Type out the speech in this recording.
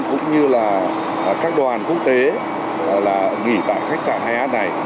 cũng như các đoàn quốc tế nghỉ tại khách sạn hai a này